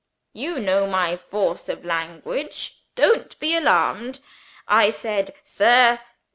You know my force of language don't be alarmed! I said, 'Sir!